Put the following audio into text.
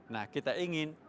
nah kita ingin